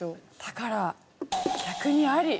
だから逆にアリ。